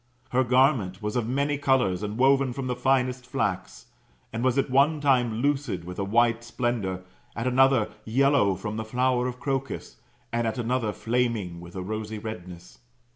Her o^arment was of many colours, and woven from the finest flax, and was at one time lucid with a white splendour, at another yellow from the flower of crocus, and at another flaming with a rosy redness.